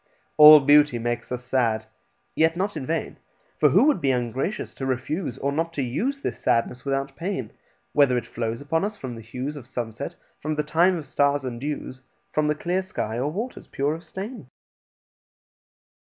All beauty makes us sad, yet not in vain: For who would be ungracious to refuse, Or not to use, this sadness without pain, Whether it flows upon us from the hues Of sunset, from the time of stars and dews, From the clear sky, or waters pure of stain?